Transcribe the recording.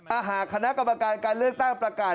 หากคณะกรรมการการเลือกตั้งประกาศ